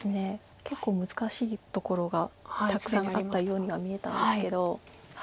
結構難しいところがたくさんあったようには見えたんですけど。